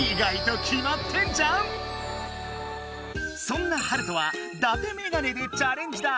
そんなハルトはだてメガネでチャレンジだ！